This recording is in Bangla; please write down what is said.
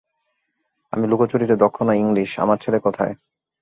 আমি লুকোচুরিতে দক্ষ না ইংলিশ, আমার ছেলে কোথায়?